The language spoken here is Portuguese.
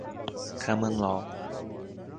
common law